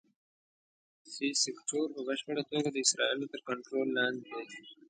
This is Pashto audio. سي سیکټور په بشپړه توګه د اسرائیلو تر کنټرول لاندې دی.